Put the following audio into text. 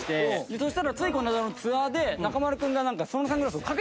そしたらついこの間のツアーで中丸君がなんかその。